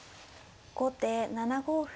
後手７五歩。